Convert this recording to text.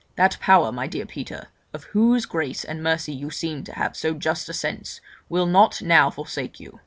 That Power, my dear Peter, of whose grace and mercy you seem to have so just a sense, will not now forsake you.